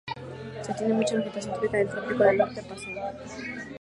Se tiene mucha vegetación típica del trópico del norte paceño.